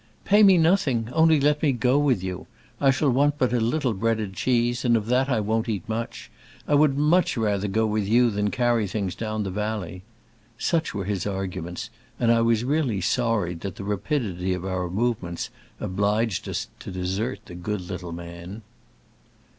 "Pay me nothing, only let me %o with you. I shall want but a little bread and cheese, and of that I won't eat much. I would much rather go with you than carry things down the valley." Such were his argu ments, and I was really sorry that the rapidity of our movements obliged us tM desert the good little man.